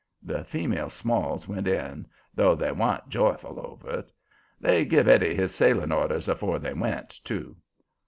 The female Smalls went in, though they wa'n't joyful over it. They give Eddie his sailing orders afore they went, too.